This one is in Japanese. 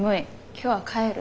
今日は帰る。